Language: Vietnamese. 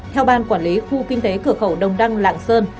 theo ban quản lý khu kinh tế cửa khẩu đồng đăng lạng sơn